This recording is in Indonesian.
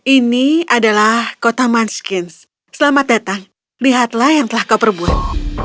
ini adalah kota munskins selamat datang lihatlah yang telah kau perbuat